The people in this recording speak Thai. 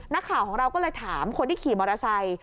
นักข่าวของเราก็เลยถามคนที่ขี่มอเตอร์ไซค์